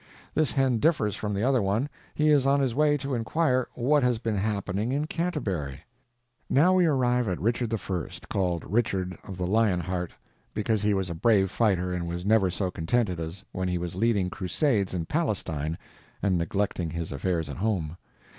This hen differs from the other one. He is on his way to inquire what has been happening in Canterbury. Now we arrive at Richard I., called Richard of the Lion heart because he was a brave fighter and was never so contented as when he was leading crusades in Palestine and neglecting his affairs at home.